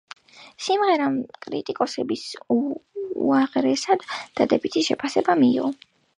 სიმღერამ კრიტიკოსებისგან უაღრესად დადებითი შეფასება მიიღო.